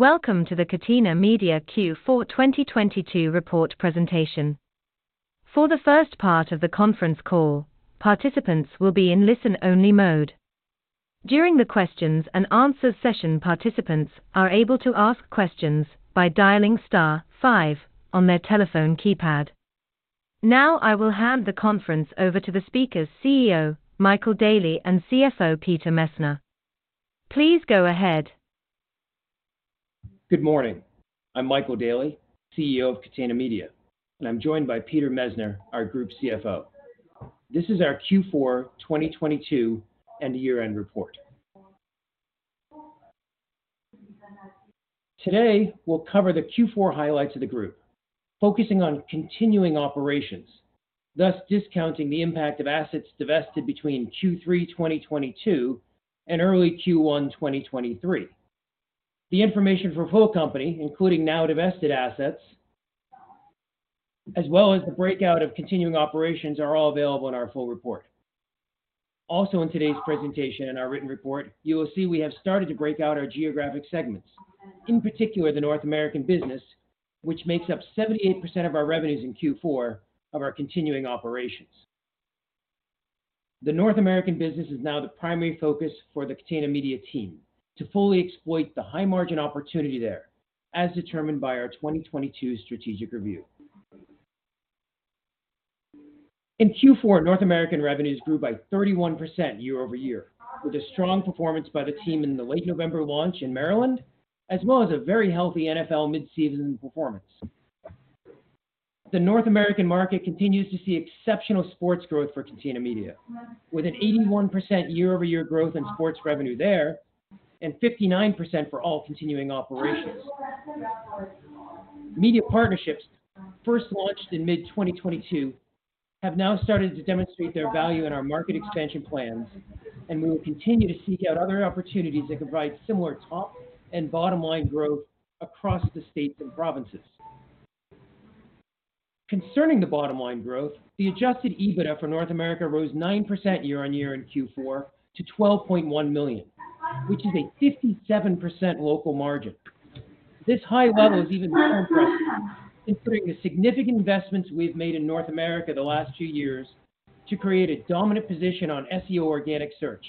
Welcome to the Catena Media Q4 2022 report presentation. For the first part of the conference call, participants will be in listen-only mode. During the questions and answers session, participants are able to ask questions by dialing star five on their telephone keypad. Now, I will hand the conference over to the speakers, CEO Michael Daly and CFO Peter Messner. Please go ahead. Good morning. I'm Michael Daly, CEO of Catena Media, and I'm joined by Peter Messner, our group CFO. This is our Q4 2022 and year-end report. Today, we'll cover the Q4 highlights of the group, focusing on continuing operations, thus discounting the impact of assets divested between Q3 2022 and early Q1 2023. The information for full company, including now divested assets, as well as the breakout of continuing operations, are all available in our full report. In today's presentation and our written report, you will see we have started to break out our geographic segments, in particular, the North American business, which makes up 78% of our revenues in Q4 of our continuing operations. The North American business is now the primary focus for the Catena Media team to fully exploit the high-margin opportunity there, as determined by our 2022 strategic review. In Q4, North American revenues grew by 31% year-over-year, with a strong performance by the team in the late November launch in Maryland, as well as a very healthy NFL mid-season performance. The North American market continues to see exceptional sports growth for Catena Media with an 81% year-over-year growth in sports revenue there and 59% for all continuing operations. Media partnerships first launched in mid-2022 have now started to demonstrate their value in our market expansion plans. We will continue to seek out other opportunities that provide similar top and bottom line growth across the states and provinces. Concerning the bottom line growth, the Adjusted EBITDA for North America rose 9% year-on-year in Q4 to 12.1 million, which is a 57% local margin. This high level is even considering the significant investments we've made in North America the last few years to create a dominant position on SEO organic search,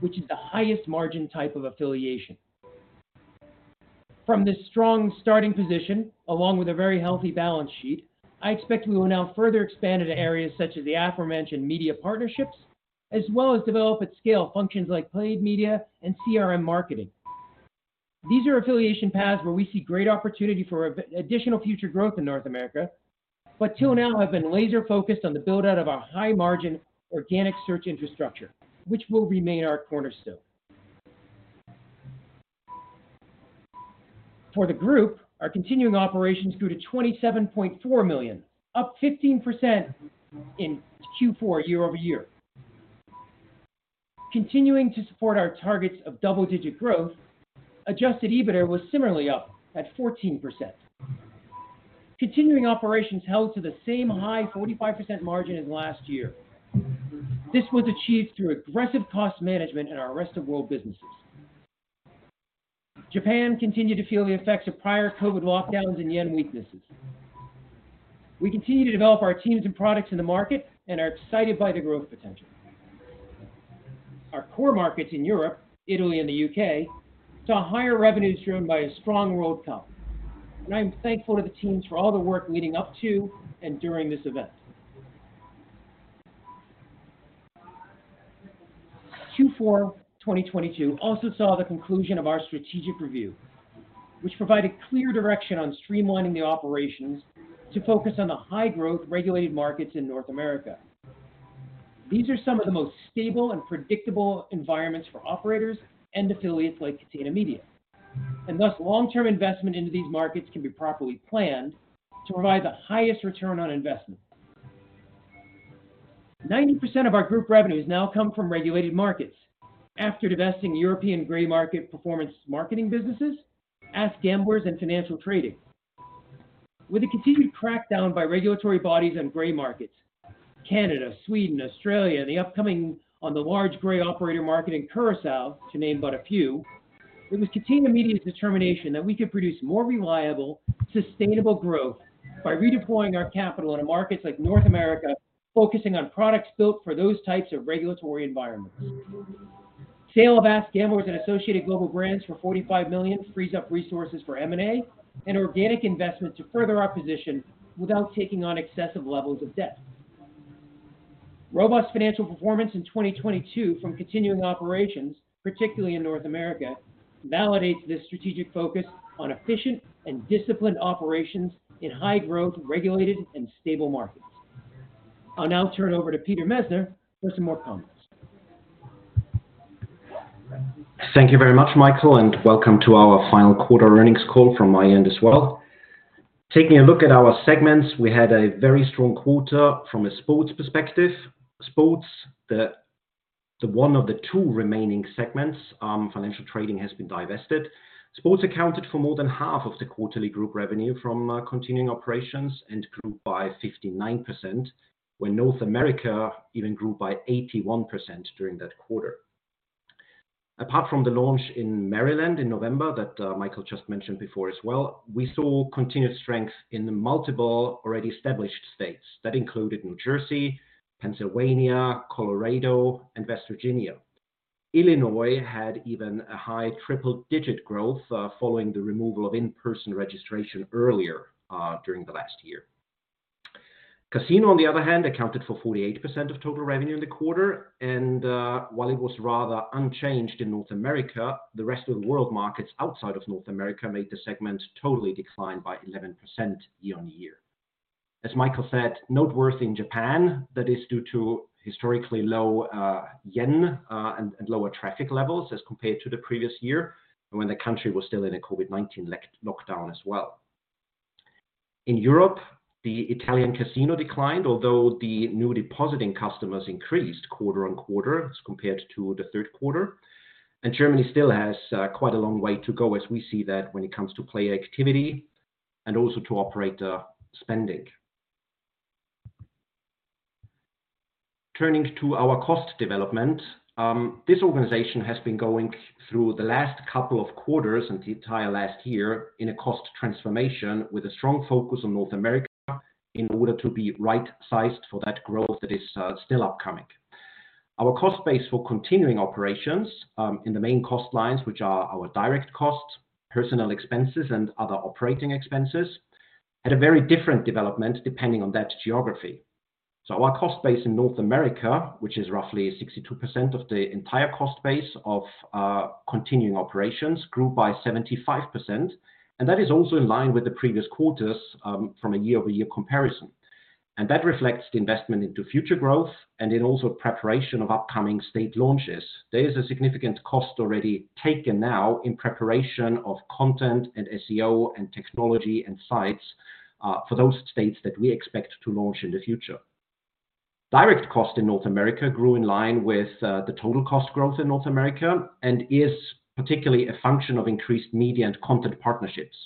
which is the highest margin type of affiliation. From this strong starting position, along with a very healthy balance sheet, I expect we will now further expand into areas such as the aforementioned media partnerships, as well as develop at scale functions like paid media and CRM marketing. These are affiliation paths where we see great opportunity for additional future growth in North America, but till now have been laser focused on the build-out of our high-margin organic search infrastructure, which will remain our cornerstone. For the group, our continuing operations grew to 27.4 million, up 15% in Q4 year-over-year. Continuing to support our targets of double-digit growth, Adjusted EBITDA was similarly up at 14%. Continuing operations held to the same high 45% margin as last year. This was achieved through aggressive cost management in our Rest of World businesses. Japan continued to feel the effects of prior COVID lockdowns and yen weaknesses. We continue to develop our teams and products in the market and are excited by the growth potential. Our core markets in Europe, Italy, and the U.K., saw higher revenues driven by a strong World Cup. I'm thankful to the teams for all the work leading up to and during this event. Q4 2022 also saw the conclusion of our strategic review, which provided clear direction on streamlining the operations to focus on the high-growth regulated markets in North America. These are some of the most stable and predictable environments for operators and affiliates like Catena Media, and thus long-term investment into these markets can be properly planned to provide the highest return on investment. 90% of our group revenues now come from regulated markets after divesting European gray market performance marketing businesses, AskGamblers and Financial Trading. With the continued crackdown by regulatory bodies on gray markets, Canada, Sweden, Australia, the upcoming on the large gray operator market in Curaçao, to name but a few, it was Catena Media's determination that we could produce more reliable, sustainable growth by redeploying our capital into markets like North America, focusing on products built for those types of regulatory environments. Sale of AskGamblers and associated global brands for 45 million frees up resources for M&A and organic investment to further our position without taking on excessive levels of debt. Robust financial performance in 2022 from continuing operations, particularly in North America, validates this strategic focus on efficient and disciplined operations in high-growth, regulated, and stable markets. I'll now turn over to Peter Messner for some more comments. Thank you very much, Michael, and welcome to our final quarter earnings call from my end as well. Taking a look at our segments, we had a very strong quarter from a sports perspective. Sports, the one of the two remaining segments, Financial Trading has been divested. Sports accounted for more than half of the quarterly group revenue from continuing operations and grew by 59%, where North America even grew by 81% during that quarter. Apart from the launch in Maryland in November that Michael just mentioned before as well, we saw continued strength in the multiple already established states. That included New Jersey, Pennsylvania, Colorado, and West Virginia. Illinois had even a high triple-digit growth following the removal of in-person registration earlier during the last year. Casino, on the other hand, accounted for 48% of total revenue in the quarter. While it was rather unchanged in North America, the rest of the world markets outside of North America made the segment totally decline by 11% year-on-year. As Michael said, noteworthy in Japan, that is due to historically low yen and lower traffic levels as compared to the previous year when the country was still in a COVID-19 lockdown as well. In Europe, the Italian casino declined, although the new depositing customers increased quarter-on-quarter as compared to the third quarter. Germany still has quite a long way to go as we see that when it comes to player activity and also to operator spending. Turning to our cost development, this organization has been going through the last couple of quarters and the entire last year in a cost transformation with a strong focus on North America in order to be right-sized for that growth that is still upcoming. Our cost base for continuing operations, in the main cost lines, which are our direct costs, personal expenses, and other operating expenses, had a very different development depending on that geography. Our cost base in North America, which is roughly 62% of the entire cost base of continuing operations, grew by 75%. That is also in line with the previous quarters, from a year-over-year comparison. That reflects the investment into future growth and in also preparation of upcoming state launches. There is a significant cost already taken now in preparation of content and SEO and technology and sites for those states that we expect to launch in the future. Direct cost in North America grew in line with the total cost growth in North America and is particularly a function of increased media and content partnerships.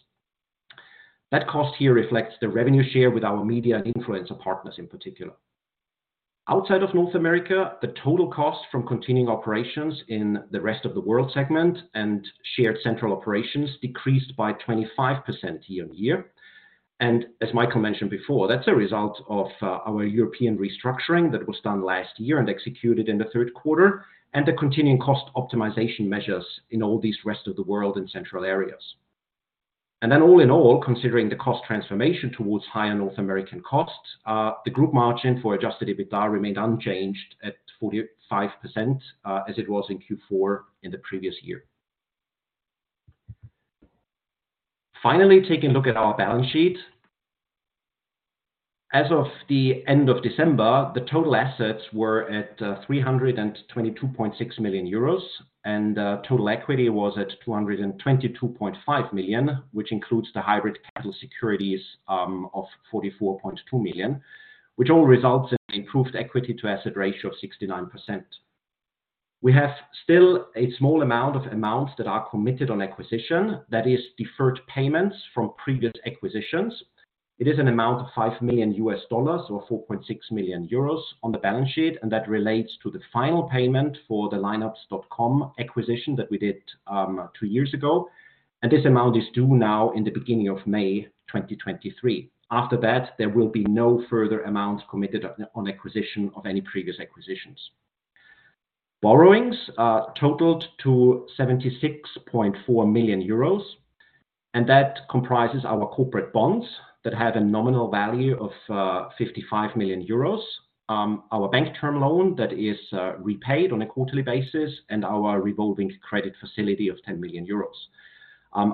That cost here reflects the revenue share with our media and influencer partners in particular. Outside of North America, the total cost from continuing operations in the rest of the world segment and shared central operations decreased by 25% year-on-year. As Michael mentioned before, that's a result of our European restructuring that was done last year and executed in the third quarter, and the continuing cost optimization measures in all these rest of the world and central areas. All in all, considering the cost transformation towards higher North American costs, the group margin for Adjusted EBITDA remained unchanged at 45%, as it was in Q4 in the previous year. Finally, taking a look at our balance sheet. As of the end of December, the total assets were at 322.6 million euros, and total equity was at 222.5 million, which includes the hybrid capital securities of 44.2 million, which all results in improved equity to asset ratio of 69%. We have still a small amount of amounts that are committed on acquisition, that is deferred payments from previous acquisitions. It is an amount of $5 million or 4.6 million euros on the balance sheet, and that relates to the final payment for the Lineups.com acquisition that we did 2 years ago. This amount is due now in the beginning of May 2023. After that, there will be no further amounts committed on acquisition of any previous acquisitions. Borrowings totaled to 76.4 million euros. That comprises our corporate bonds that had a nominal value of 55 million euros, our bank term loan that is repaid on a quarterly basis, and our revolving credit facility of 10 million euros.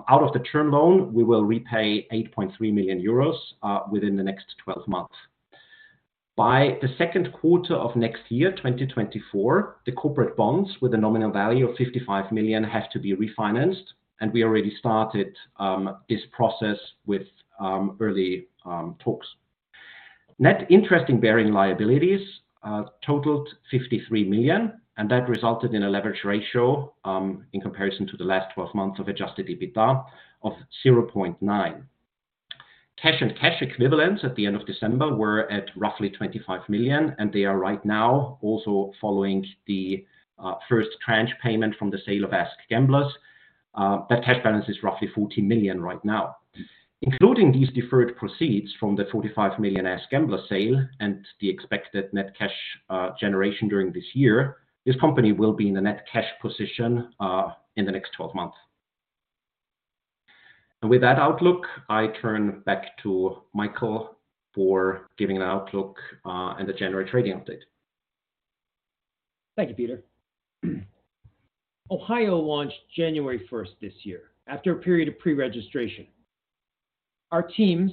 Out of the term loan, we will repay 8.3 million euros within the next 12 months. By the second quarter of next year, 2024, the corporate bonds with a nominal value of 55 million have to be refinanced, and we already started this process with early talks. Net interest in bearing liabilities totaled 53 million, and that resulted in a leverage ratio in comparison to the last 12 months of Adjusted EBITDA of 0.9. Cash and cash equivalents at the end of December were at roughly 25 million, and they are right now also following the first tranche payment from the sale of AskGamblers. That cash balance is roughly 14 million right now. Including these deferred proceeds from the 45 million AskGamblers sale and the expected net cash generation during this year, this company will be in a net cash position in the next 12 months. With that outlook, I turn back to Michael for giving an outlook, and the January trading update. Thank you, Peter. Ohio launched January first this year after a period of pre-registration. Our teams,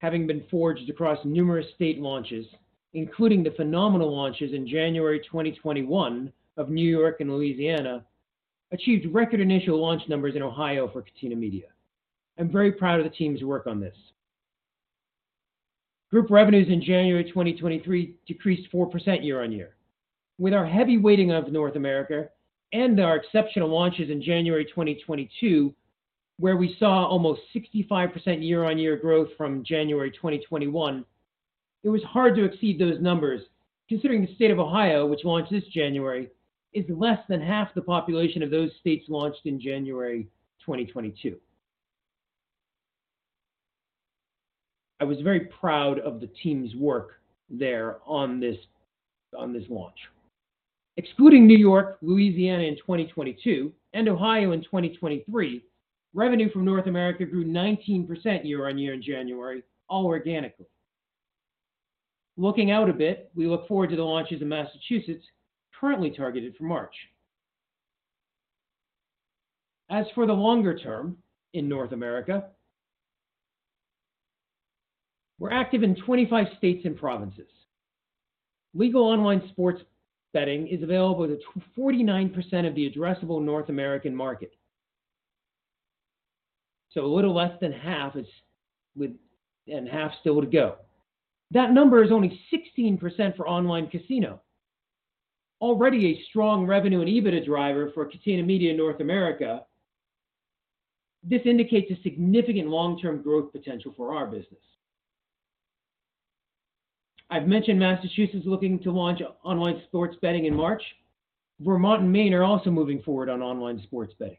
having been forged across numerous state launches, including the phenomenal launches in January 2021 of New York and Louisiana, achieved record initial launch numbers in Ohio for Catena Media. I'm very proud of the team's work on this. Group revenues in January 2023 decreased 4% year-on-year. With our heavy weighting of North America and our exceptional launches in January 2022, where we saw almost 65% year-on-year growth from January 2021. It was hard to exceed those numbers considering the state of Ohio, which launched this January, is less than half the population of those states launched in January 2022. I was very proud of the team's work there on this launch. Excluding New York, Louisiana in 2022 and Ohio in 2023, revenue from North America grew 19% year-over-year in January, all organically. Looking out a bit, we look forward to the launches in Massachusetts currently targeted for March. As for the longer term in North America, we're active in 25 states and provinces. Legal online sports betting is available to 49% of the addressable North American market. A little less than half is with-- and half still to go. That number is only 16% for online casino. Already a strong revenue and EBITDA driver for Catena Media North America, this indicates a significant long-term growth potential for our business. I've mentioned Massachusetts looking to launch online sports betting in March. Vermont and Maine are also moving forward on online sports betting.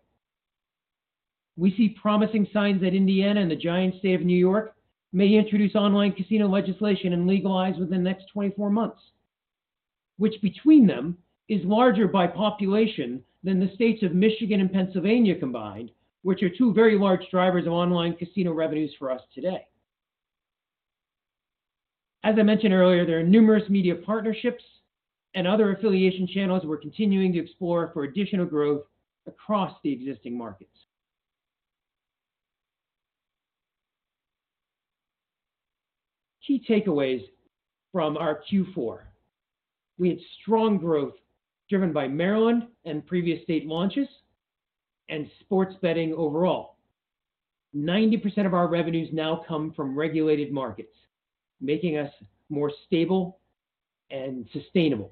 We see promising signs that Indiana and the giant state of New York may introduce online casino legislation and legalize within the next 24 months, which between them is larger by population than the states of Michigan and Pennsylvania combined, which are two very large drivers of online casino revenues for us today. As I mentioned earlier, there are numerous media partnerships and other affiliation channels we're continuing to explore for additional growth across the existing markets. Key takeaways from our Q4. We had strong growth driven by Maryland and previous state launches and sports betting overall. 90% of our revenues now come from regulated markets, making us more stable and sustainable.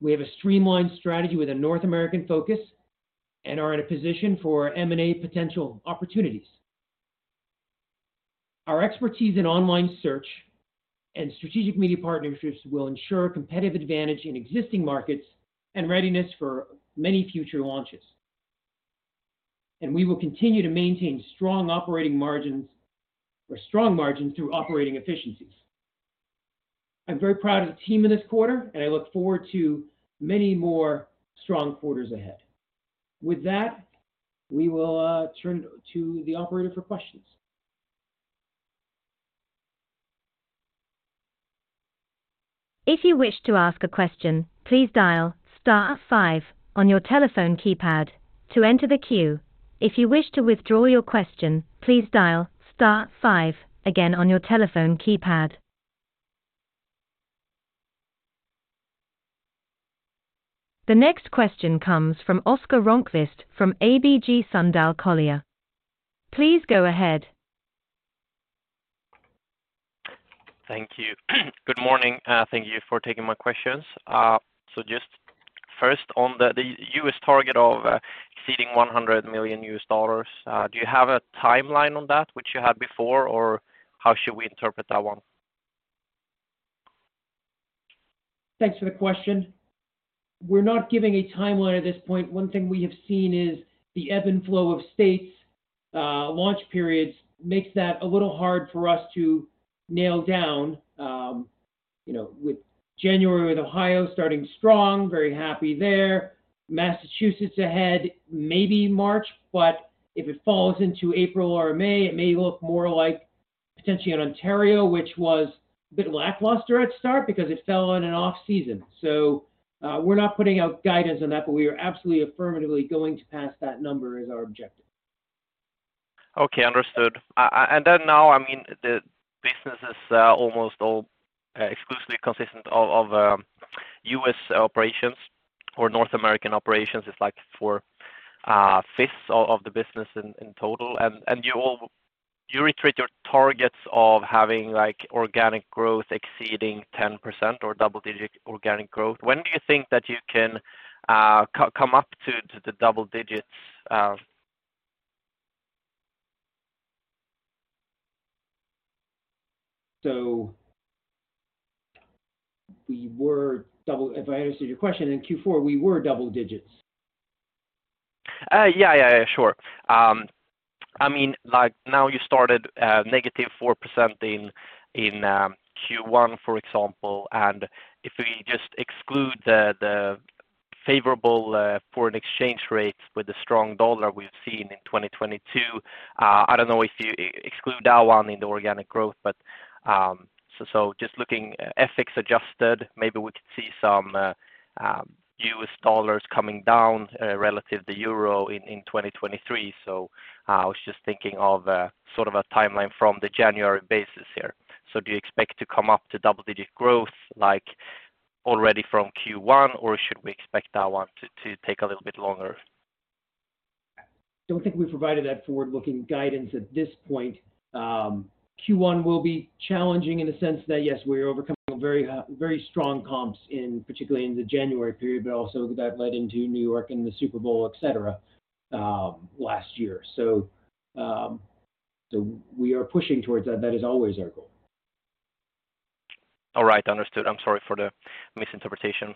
We have a streamlined strategy with a North American focus and are in a position for M&A potential opportunities. Our expertise in online search and strategic media partnerships will ensure competitive advantage in existing markets and readiness for many future launches. We will continue to maintain strong operating margins or strong margins through operating efficiencies. I'm very proud of the team in this quarter, and I look forward to many more strong quarters ahead. With that, we will turn to the Operator for questions. If you wish to ask a question, please dial star five on your telephone keypad to enter the queue. If you wish to withdraw your question, please dial star five again on your telephone keypad. The next question comes from Oskar Rönnquist from ABG Sundal Collier. Please go ahead. Thank you. Good morning, thank you for taking my questions. Just first on the U.S. target of exceeding $100 million, do you have a timeline on that which you had before? Or how should we interpret that one? Thanks for the question. We're not giving a timeline at this point. One thing we have seen is the ebb and flow of states, launch periods makes that a little hard for us to nail down, you know, with January with Ohio starting strong, very happy there. Massachusetts ahead, maybe March, but if it falls into April or May, it may look more like potentially an Ontario, which was a bit lackluster at start because it fell on an off season. We're not putting out guidance on that, but we are absolutely affirmatively going to pass that number as our objective. Okay, understood. Now, I mean, the business is almost all exclusively consistent of U.S. operations or North American operations is like 4/5 of the business in total. You retreat your targets of having like organic growth exceeding 10% or double-digit organic growth. When do you think that you can come up to the double digits? If I understood your question in Q4, we were double digits. Yeah, sure. I mean, like now you started -4% in Q1, for example. If we just exclude the favorable foreign exchange rates with the strong dollar we've seen in 2022, I don't know if you exclude that one in the organic growth, but so just looking FX adjusted, maybe we could see some U.S. dollars coming down relative the euro in 2023. I was just thinking of sort of a timeline from the January basis here. Do you expect to come up to double-digit growth like already from Q1, or should we expect that one to take a little bit longer? Don't think we've provided that forward-looking guidance at this point. Q1 will be challenging in the sense that, yes, we're overcoming very strong comps in, particularly in the January period, but also that led into New York and the Super Bowl, et cetera last year. We are pushing towards that. That is always our goal. All right. Understood. I'm sorry for the misinterpretation.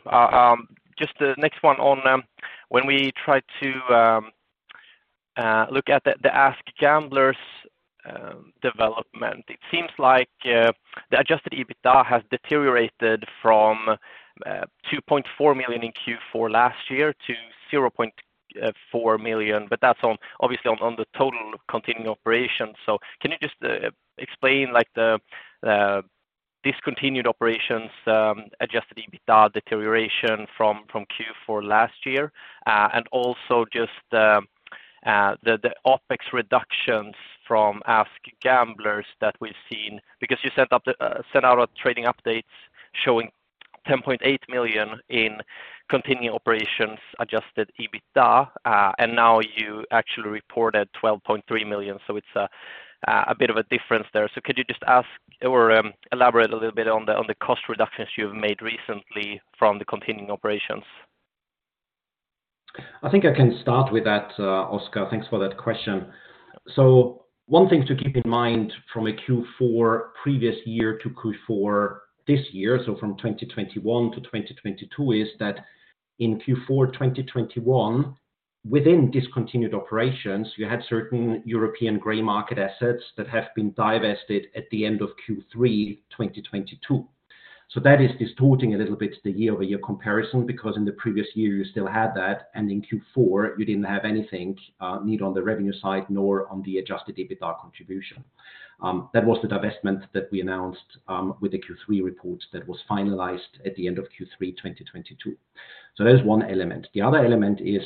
Just the next one on, when we try to look at the AskGamblers development, it seems like the Adjusted EBITDA has deteriorated from 2.4 million in Q4 last year to 0.4 million, but that's obviously on the total continuing operations. Can you just explain like the discontinued operations Adjusted EBITDA deterioration from Q4 last year, and also just the OpEx reductions from AskGamblers that we've seen because you sent out a trading update showing 10.8 million in continuing operations Adjusted EBITDA, and now you actually reported 12.3 million, so it's a bit of a difference there. Could you just ask or elaborate a little bit on the cost reductions you've made recently from the continuing operations? I think I can start with that, Oskar. Thanks for that question. One thing to keep in mind from a Q4 previous year to Q4 this year, from 2021 to 2022, is that in Q4 2021, within discontinued operations, you had certain European gray market assets that have been divested at the end of Q3 2022. That is distorting a little bit the year-over-year comparison because in the previous year you still had that, and in Q4 you didn't have anything, need on the revenue side nor on the Adjusted EBITDA contribution. That was the divestment that we announced with the Q3 report that was finalized at the end of Q3 2022. There's one element. The other element is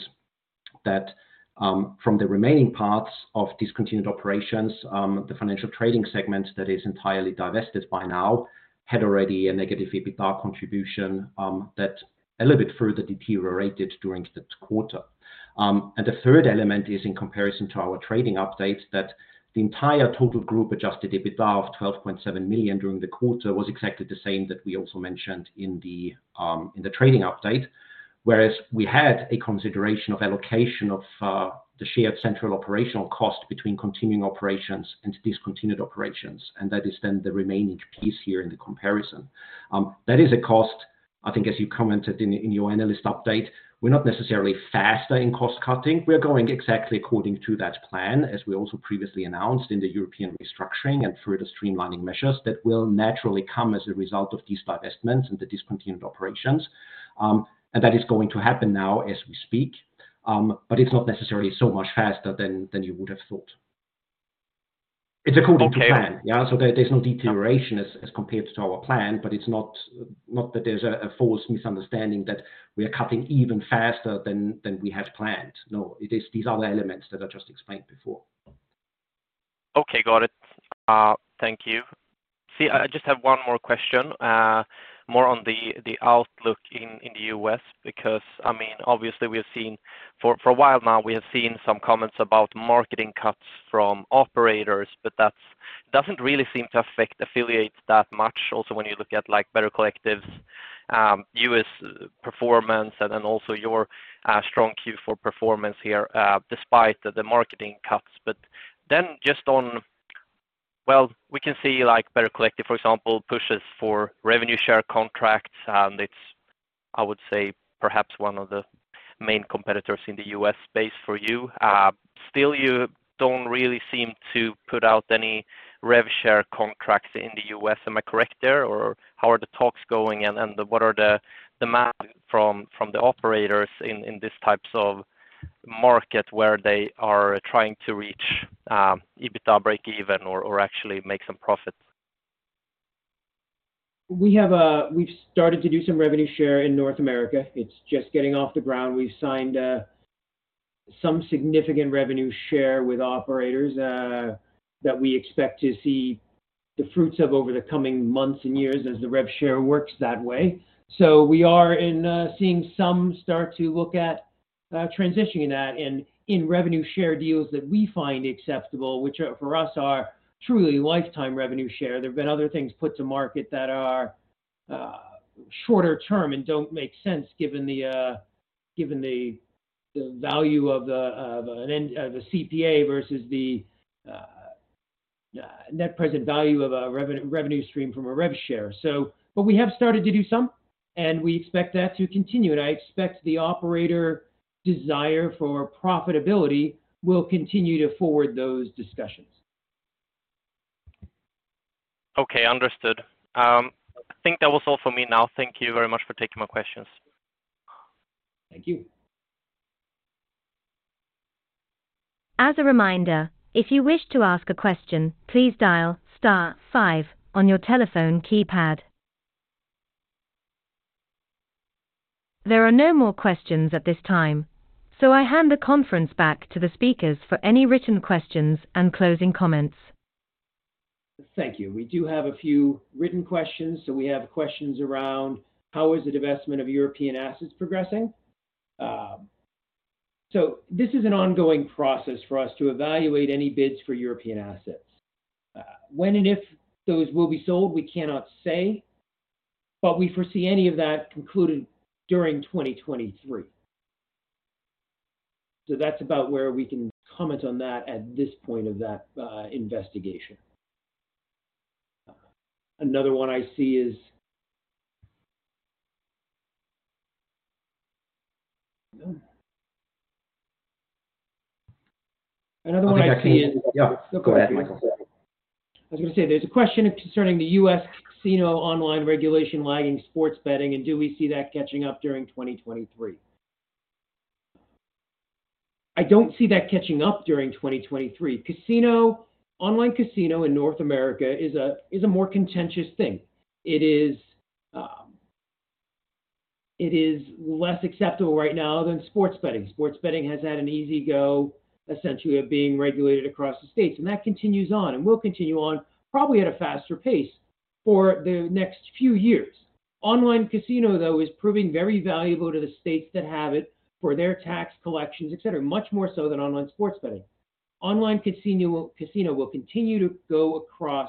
that, from the remaining parts of discontinued operations, the Financial Trading segment that is entirely divested by now had already a negative EBITDA contribution, that a little bit further deteriorated during the quarter. The third element is in comparison to our trading update that the entire total group Adjusted EBITDA of 12.7 million during the quarter was exactly the same that we also mentioned in the trading update. Whereas we had a consideration of allocation of the shared central operational cost between continuing operations and discontinued operations, and that is then the remaining piece here in the comparison. That is a cost, I think as you commented in your analyst update. We're not necessarily faster in cost cutting. We're going exactly according to that plan, as we also previously announced in the European restructuring and further streamlining measures that will naturally come as a result of these divestments and the discontinued operations. That is going to happen now as we speak. It's not necessarily so much faster than you would have thought. It's according to plan. Okay. There's no deterioration as compared to our plan, but it's not that there's a false misunderstanding that we are cutting even faster than we have planned. No. It is these other elements that I just explained before. Okay. Got it. Thank you. See, I just have one more question, more on the outlook in the U.S. because, I mean, obviously we have seen for a while now we have seen some comments about marketing cuts from operators, but that doesn't really seem to affect affiliates that much. Also, when you look at like Better Collective's U.S. performance and then also your strong Q4 performance here, despite the marketing cuts. Well, we can see like Better Collective, for example, pushes for revenue share contracts and it's, I would say, perhaps one of the main competitors in the U.S. space for you. Still you don't really seem to put out any rev share contracts in the U.S. Am I correct there? How are the talks going and what are the demand from the operators in these types of market where they are trying to reach EBITDA breakeven or actually make some profit? We have, we've started to do some revenue share in North America. It's just getting off the ground. We've signed some significant revenue share with operators that we expect to see the fruits of over the coming months and years as the rev share works that way. We are in, seeing some start to look at transitioning that in revenue share deals that we find acceptable, which are, for us, are truly lifetime revenue share. There have been other things put to market that are shorter term and don't make sense given the given the the value of the CPA versus the net present value of a revenue stream from a rev share. We have started to do some, and we expect that to continue, and I expect the operator desire for profitability will continue to forward those discussions. Okay. Understood. I think that was all for me now. Thank you very much for taking my questions. Thank you. As a reminder, if you wish to ask a question, please dial star five on your telephone keypad. There are no more questions at this time. I hand the conference back to the speakers for any written questions and closing comments. Thank you. We do have a few written questions. We have questions around how is the divestment of European assets progressing. This is an ongoing process for us to evaluate any bids for European assets. When and if those will be sold, we cannot say. But we foresee any of that concluded during 2023. That's about where we can comment on that at this point of that investigation. Another one I see is. No. Okay, I can- Yeah. Go ahead, Michael. I was gonna say, there's a question concerning the U.S. casino online regulation lagging sports betting. Do we see that catching up during 2023? I don't see that catching up during 2023. Online casino in North America is a more contentious thing. It is less acceptable right now than sports betting. Sports betting has had an easy go, essentially, of being regulated across the states. That continues on and will continue on probably at a faster pace for the next few years. Online casino, though, is proving very valuable to the states that have it for their tax collections, et cetera, much more so than online sports betting. Online casino will continue to go across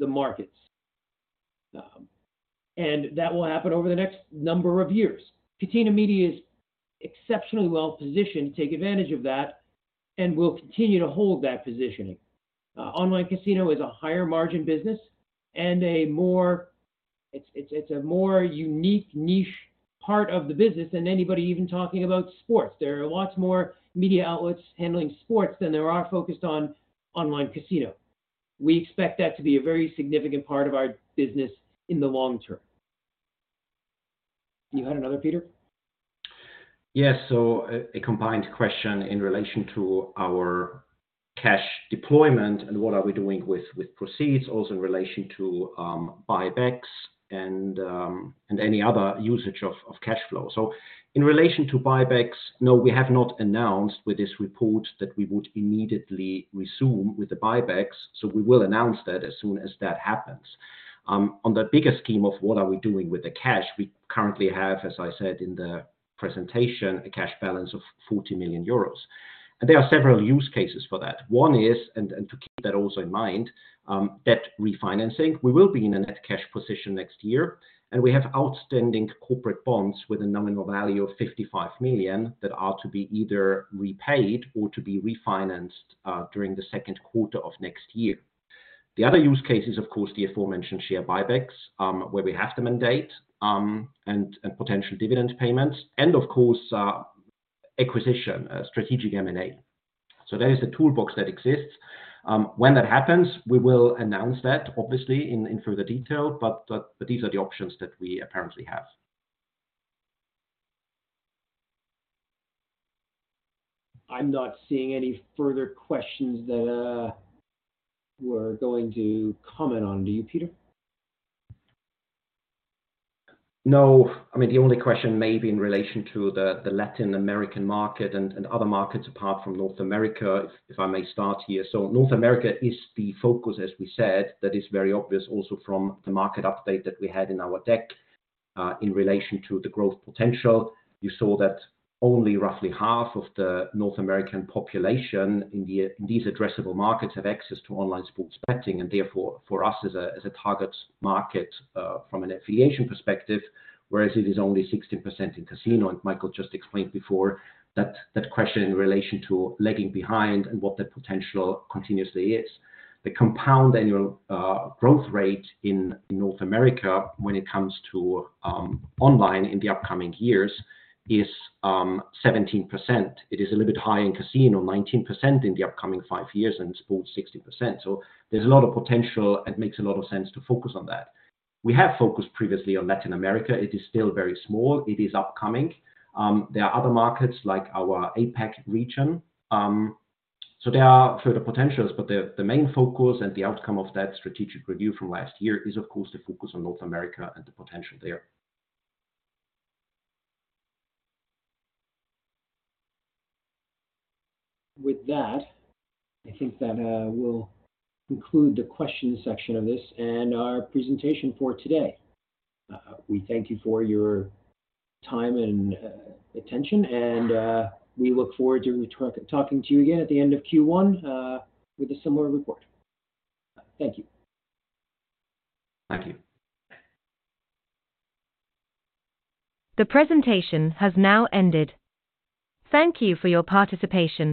the markets. That will happen over the next number of years. Catena Media is exceptionally well-positioned to take advantage of that and will continue to hold that positioning. Online casino is a higher margin business. It's a more unique niche part of the business than anybody even talking about sports. There are lots more media outlets handling sports than there are focused on online casino. We expect that to be a very significant part of our business in the long term. You had another, Peter? A combined question in relation to our cash deployment and what are we doing with proceeds, also in relation to buybacks and any other usage of cash flow. In relation to buybacks, no, we have not announced with this report that we would immediately resume with the buybacks, so we will announce that as soon as that happens. On the bigger scheme of what are we doing with the cash, we currently have, as I said in the presentation, a cash balance of 40 million euros. There are several use cases for that. One is, and to keep that also in mind, debt refinancing. We will be in a net cash position next year. We have outstanding corporate bonds with a nominal value of 55 million that are to be either repaid or to be refinanced, during the 2nd quarter of next year. The other use case is, of course, the aforementioned share buybacks, where we have the mandate, and potential dividend payments, and of course, acquisition, strategic M&A. There is a toolbox that exists. When that happens, we will announce that obviously in further detail, but these are the options that we apparently have. I'm not seeing any further questions that we're going to comment on. Do you, Peter? No. I mean, the only question may be in relation to the Latin American market and other markets apart from North America, if I may start here. North America is the focus, as we said. That is very obvious also from the market update that we had in our deck, in relation to the growth potential. You saw that only roughly half of the North American population in these addressable markets have access to online sports betting, and therefore for us as a, as a target market, from an affiliation perspective, whereas it is only 16% in casino, and Michael just explained before that question in relation to lagging behind and what the potential continuously is. The compound annual growth rate in North America when it comes to online in the upcoming years is 17%. It is a little bit high in casino, 19% in the upcoming five years, and sports, 60%. There's a lot of potential, and it makes a lot of sense to focus on that. We have focused previously on Latin America. It is still very small. It is upcoming. There are other markets like our APAC region. There are further potentials, but the main focus and the outcome of that strategic review from last year is, of course, the focus on North America and the potential there. With that, I think that we'll conclude the question section of this and our presentation for today. We thank you for your time and attention, and we look forward to talking to you again at the end of Q1 with a similar report. Thank you. Thank you. The presentation has now ended. Thank you for your participation.